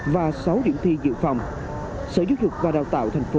và sáu điểm thi dự pháp